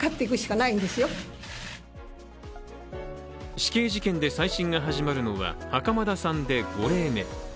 死刑事件で再審が始まるのは袴田さんで５例目。